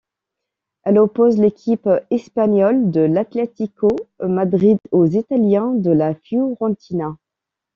Elle oppose l'équipe espagnole de l'Atlético Madrid aux Italiens de la Fiorentina.